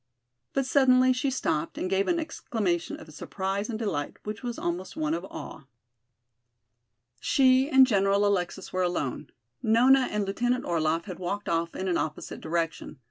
But suddenly she stopped and gave an exclamation of surprise and delight which was almost one of awe. She and General Alexis were alone. Nona and Lieutenant Orlaff had walked off in an opposite direction.